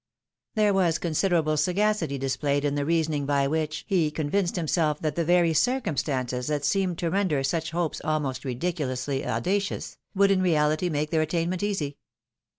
There was considerable sagacity displayed in the reasoning by which he convinced him self that the very circumstances that seemed to render such hopes almost ridiculously audacious, would, in reality, make their attainment easy.